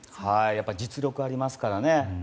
やっぱり実力がありますからね。